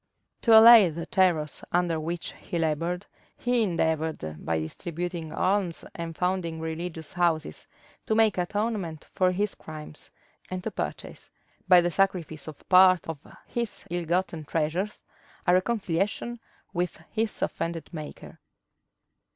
To allay the terrors under which he labored, he endeavored, by distributing alms and founding religious houses, to make atonement for his crimes, and to purchase, by the sacrifice of part of his ill gotten treasures, a reconciliation with his offended Maker.